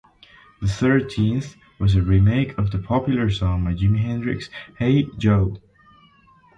The thirteenth was a remake of the popular song by Jimi Hendrix, "Hey Joe".